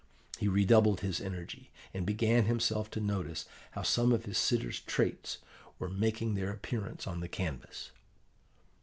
He redoubled his energy; and began himself to notice how some of his sitter's traits were making their appearance on the canvas.